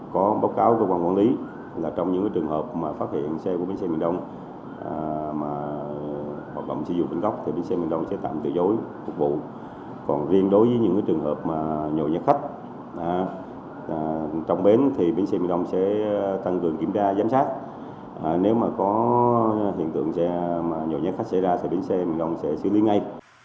còn riêng đối với những trường hợp nhồi nhắc khách trong bến thì bến xe miền đông sẽ tăng cường kiểm tra giám sát nếu mà có hiện tượng nhồi nhắc khách xảy ra thì bến xe miền đông sẽ xử lý ngay